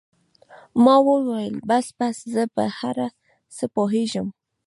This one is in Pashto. ما وويل بس بس زه په هر څه پوهېږم.